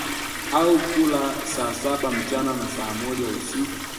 Au kula saa saba mchana na saa moja usiku